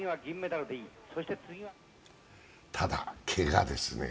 ただ、けがですね。